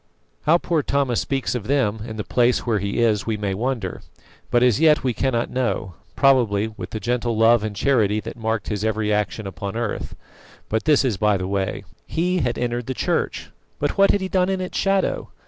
How "poor Thomas" speaks of them in the place where he is we may wonder, but as yet we cannot know probably with the gentle love and charity that marked his every action upon earth. But this is by the way. He had entered the Church, but what had he done in its shadow?